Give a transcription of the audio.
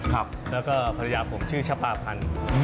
แล้วก็ภรรยาผมชื่อชปพันธุ์